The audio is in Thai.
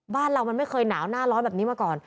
บ้านเรามันไม่เคยหนาวหน้าร้อนแบบนี้มาก่อน